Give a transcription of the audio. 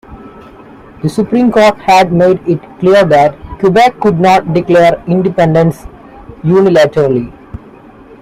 The Supreme Court had made it clear that Quebec could not declare independence unilaterally.